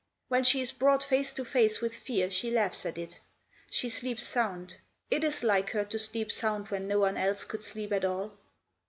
When she is brought face to face with fear she laughs at it She sleeps sound. It is like her to sleep sound when no one else could sleep at all."